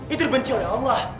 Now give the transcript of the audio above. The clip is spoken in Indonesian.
itu dibenci oleh allah